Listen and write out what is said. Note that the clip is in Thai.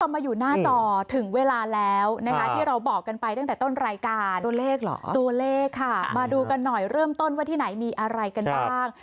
มาอยู่หน้าจอถึงเวลาแล้วนะคะที่เราบอกกันไปตั้งแต่ต้นรายการตัวเลขเหรอตัวเลขค่ะมาดูกันหน่อยเริ่มต้นว่าที่ไหนมีอะไรกันบ้าง